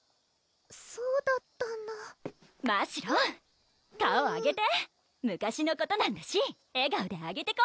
そうだったんだましろん顔上げて昔のことなんだし笑顔でアゲてこ！